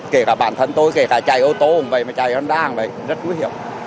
kể cả bản thân tôi kể cả chạy ô tô cũng vậy chạy hòn đa cũng vậy rất nguy hiểm